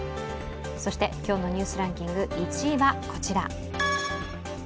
今日のニュースランキング１位はこちら。